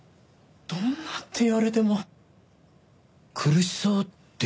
どんなって言われても苦しそうっていうか。